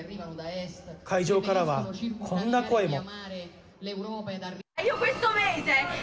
会場からは、こんな声も。